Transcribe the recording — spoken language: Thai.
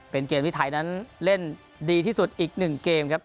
เป็นเกมที่ไทยนั้นเล่นดีที่สุดอีก๑เกมครับ